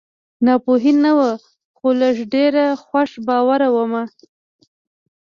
ناپوهي نه وه خو لږ ډېره خوش باوره ومه